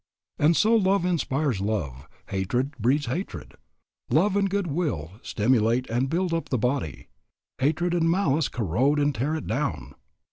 And so love inspires love; hatred breeds hatred. Love and good will stimulate and build up the body; hatred and malice corrode and tear it down.